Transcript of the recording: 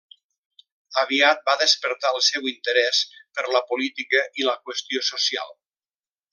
Aviat va despertar el seu interès per la política i la qüestió social.